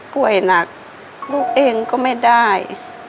ป่วยหนักลูกเองก็ไม่ได้